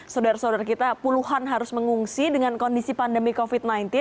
saudara saudara kita puluhan harus mengungsi dengan kondisi pandemi covid sembilan belas